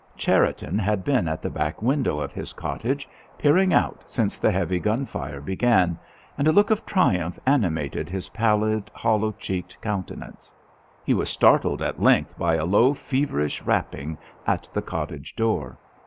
Cherriton had been at the back window of his cottage peering out since the heavy gunfire began, and a look of triumph animated his pallid, hollow cheeked countenance. He was startled at length by a low, feverish rapping at the cottage door.